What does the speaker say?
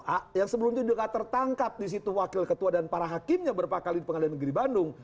satu a yang sebelum itu juga tertangkap di situ wakil ketua dan para hakimnya berpakaian di pengadilan negeri bandung